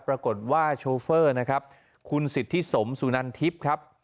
ปรากฏว่าโชเฟอร์นะครับคุณสิทธิสมสุนันทิพย์ครับ